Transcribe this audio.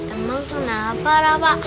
emang kenapa rafa